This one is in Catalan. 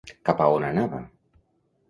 Cap a on anava?